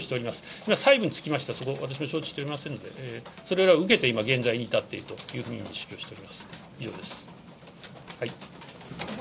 今、細部につきましては、そこ、私も承知しておりませんので、それらを受けて今、現在に至っているというふうに認識をしております。